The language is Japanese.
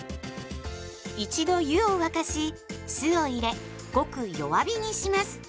一度湯を沸かし酢を入れごく弱火にします。